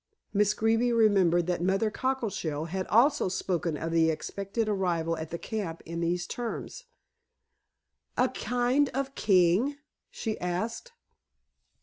Miss Greeby remembered that Mother Cockleshell had also spoken of the expected arrival at the camp in these terms. "A kind of king?" she asked.